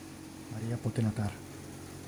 Maria pote natar.